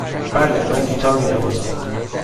بله، من گیتار می نوازم.